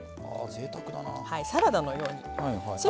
サラダのように。